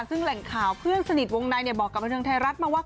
ซึ่งแหล่งข่าวเพื่อนสนิทวงในบอกกับบันเทิงไทยรัฐมาว่า